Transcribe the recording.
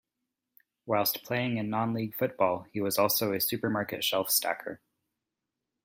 Whilst playing in non-League football he was also a supermarket shelf stacker.